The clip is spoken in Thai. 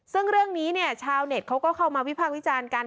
ซึ่งเรื่องนี้เนี่ยชาวเน็ตเขาก็เข้ามาวิภาควิจารณ์กัน